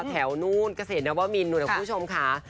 แถวนู้นเกษตรนับว่ามีนนู่นของคุณผู้ชมค่ะ